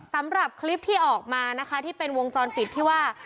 สำหรับคลิปที่ออกมานะคะที่เป็นวงจรปิดที่ว่า